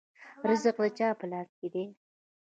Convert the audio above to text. رزق د چا په لاس کې دی؟